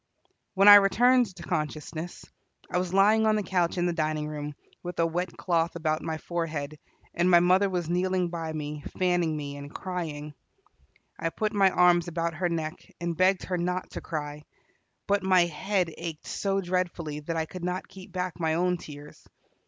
When I returned to consciousness, I was lying on the couch in the dining room, with a wet cloth about my forehead, and mother was kneeling by me, fanning me and crying. I put my arms about her neck, and begged her not to cry, but my head ached so dreadfully that I could not keep back my own tears.